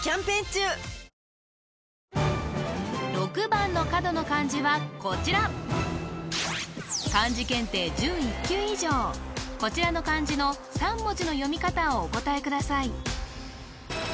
６番の角の漢字はこちらこちらの漢字の３文字の読み方をお答えください